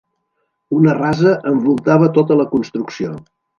Una rasa envoltava tota la construcció.